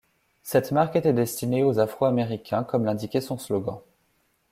Cette marque était destinée aux Afro-Américains comme l'indiquait son slogan.